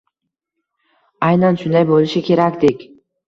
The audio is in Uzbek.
Aynan shunday boʻlishi kerakdek